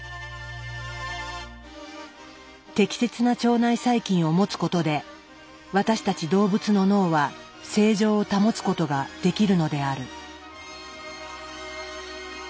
適切な腸内細菌を持つことで私たち動物の脳は正常を保つことができるのである。